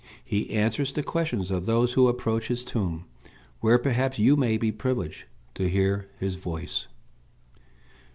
He answers the questions of those who approach his tomb, where perhaps you may be privileged to hear his voice."